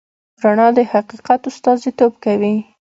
رڼا د حقیقت استازیتوب کوي.